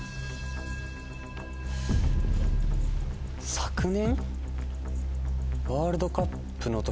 昨年？